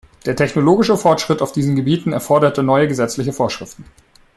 Der technologische Fortschritt auf diesen Gebieten erforderte neue gesetzliche Vorschriften.